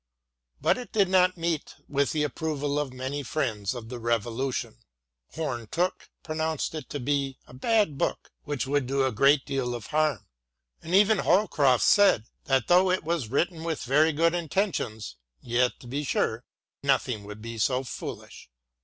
But it did not meet with the approval of many friends of the Revolution. Home Tooke pronounced it to be " a bad book which would do a great deal of harm," and even Holcroft said " that though it was written with very good intentions, yet, to be sure, nothing could be so foolish."